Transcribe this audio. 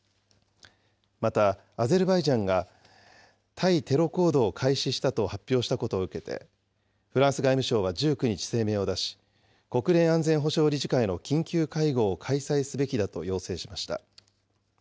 また、アゼルバイジャンが対テロ行動を開始したと発表したことを受けて、フランス外務省は１９日、声明を出し、国連安全保障理事会の緊急会合を開催すべきだと要請しました。